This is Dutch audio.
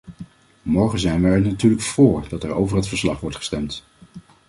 Morgen zijn wij er natuurlijk vóór dat er over het verslag wordt gestemd.